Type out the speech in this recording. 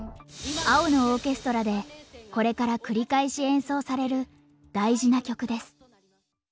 「青のオーケストラ」でこれから繰り返し演奏される大事な曲です。